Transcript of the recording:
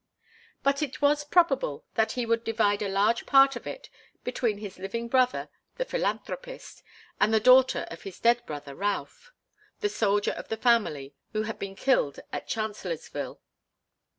But it was probable that he would divide a large part of it between his living brother, the philanthropist, and the daughter of his dead brother Ralph the soldier of the family, who had been killed at Chancellorsville.